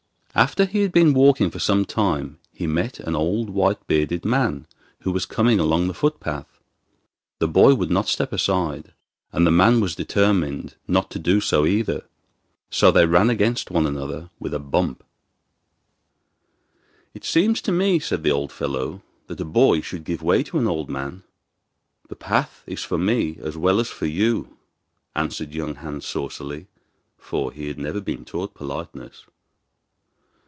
After he had been walking for some time he met an old white bearded man who was coming along the footpath. The boy would not step aside, and the man was determined not to do so either, so they ran against one another with a bump. 'It seems to me,' said the old fellow, 'that a boy should give way to an old man.' 'The path is for me as well as for you,' answered young Hans saucily, for he had never been taught politeness.